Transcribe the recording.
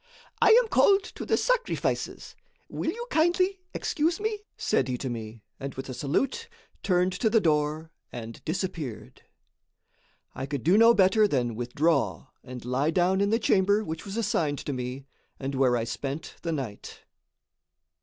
"I am called to the sacrifices. Will you kindly excuse me?" said he to me, and with a salute, turned to the door and disappeared. I could do no better than withdraw and lie down in the chamber which was assigned to me and where I spent the night.